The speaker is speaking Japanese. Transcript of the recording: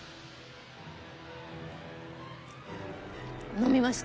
飲みました。